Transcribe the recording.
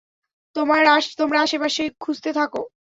তোমরা আশেপাশে খুঁজতে থাকো।